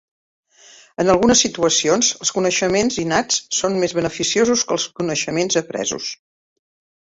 En algunes situacions, els coneixements innats són més beneficiosos que els coneixements apresos.